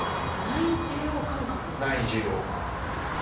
内受容感覚ですね。